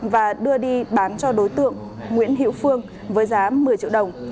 và đưa đi bán cho đối tượng nguyễn hiệu phương với giá một mươi triệu đồng